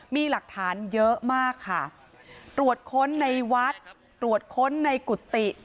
มีหลักฐานเยอะมากค่ะตรวจค้นในวัดตรวจค้นในกุฏิ